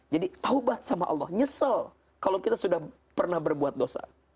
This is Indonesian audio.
jadi taubat sama allah nyesel kalau kita sudah pernah berbuat dosa